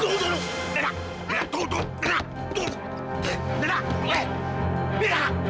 tunggu dulu nena tunggu dulu nena tunggu dulu